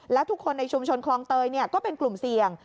แล้วทุกคนในชุมชนคลองเตยก็เป็นกลุ่มเสี่ยง